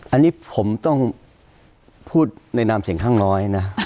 อันนี้ผมต้องพูดในนามเสียงข้างน้อยนะ